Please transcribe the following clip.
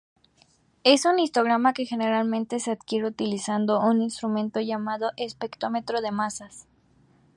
Es un histograma que generalmente se adquiere utilizando un instrumento llamado espectrómetro de masas.